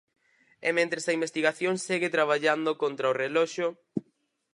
E mentres a investigación segue traballando contra o reloxo.